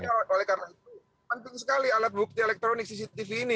nah oleh karena itu penting sekali alat bukti elektronik cctv ini